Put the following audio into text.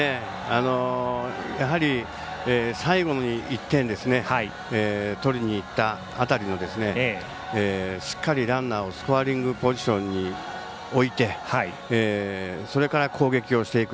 やはり最後に１点取りにいった辺りのしっかりランナーをスコアリングポジションに置いてそれから攻撃をしていく。